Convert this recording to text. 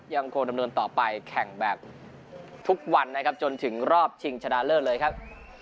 ยังคงดำเนินต่อไปแข่งแบบทุกวันนะครับจนถึงรอบชิงชนะเลิศเลยครับ